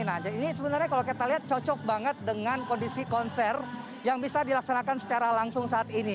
nah ini sebenarnya kalau kita lihat cocok banget dengan kondisi konser yang bisa dilaksanakan secara langsung saat ini